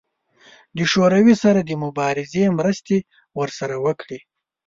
د شوروي سره د مبارزې مرستې ورسره وکړي.